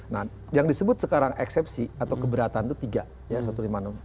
nah yang disebut sekarang eksepsi atau keberatan itu tiga ya satu lima nomor